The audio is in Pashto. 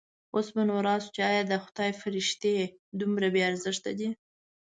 اوس به نو راشو چې ایا د خدای فرښتې دومره بې ارزښته دي.